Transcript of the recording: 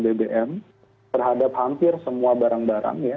bbm terhadap hampir semua barang barang ya